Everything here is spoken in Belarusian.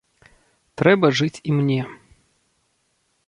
Трэба жыць і мне.